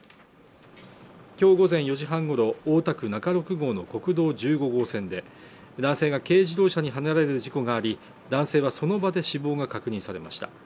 今日午前４時半ごろ大田区仲六郷の国道１５号線で男性が軽自動車にはねられる事故があり男性はその場で死亡が確認されました